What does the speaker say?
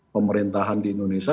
pemerintahan di indonesia